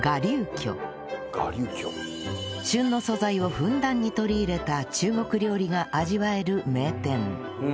旬の素材をふんだんに取り入れた中国料理が味わえる名店